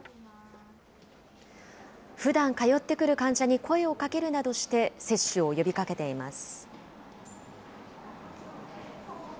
ふだん通ってくる患者に声をかけるなどして、接種を呼びかけています。